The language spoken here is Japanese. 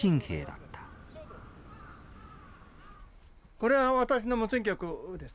これは私の無線局です。